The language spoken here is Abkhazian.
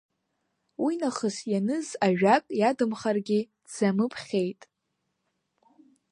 Уи нахыс ианыз ажәак иадамхаргьы дзамыԥхьеит.